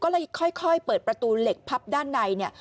ก็เลยค่อยเปิดประตูเหล็กพับด้านในเนี่ย